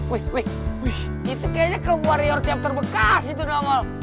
wih itu kayaknya ke warrior chapter bekas itu domol